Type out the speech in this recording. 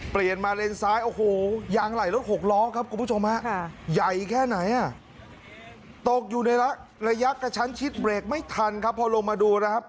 เปลี่ยนมาเลนซ้ายโอ้โหยางไหล่รถหกล้อครับคุณผู้ชมฮะใหญ่แค่ไหนอ่ะตกอยู่ในระยะกระชั้นชิดเบรกไม่ทันครับพอลงมาดูนะครับ